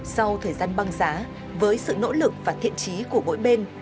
sau thời gian băng giá với sự nỗ lực và thiện trí của mỗi bên